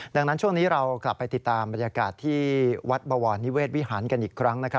ดังนั้นช่วงนี้เรากลับไปติดตามบรรยากาศที่วัดบวรนิเวศวิหารกันอีกครั้ง